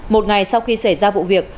một ngày sau khi xảy ra vụ việc